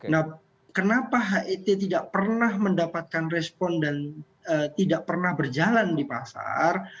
nah kenapa het tidak pernah mendapatkan respon dan tidak pernah berjalan di pasar